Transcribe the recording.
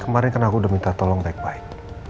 kemarin kan aku udah minta tolong baik baik